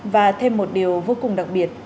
và thêm một điều vô cùng đặc biệt